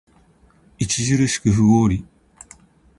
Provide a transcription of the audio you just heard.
著しく不合理